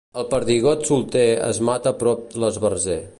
El perdigot solter es mata prop l'esbarzer.